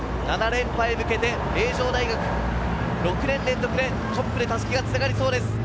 ４区・薮谷奈瑠、７連覇へ向けて名城大学、６年連続でトップで襷がつながりそうです。